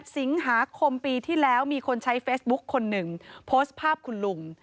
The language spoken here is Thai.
สิงหาคมปีที่แล้วมีคนใช้เฟซบุ๊กคนหนึ่งโพสต์ภาพคุณลุง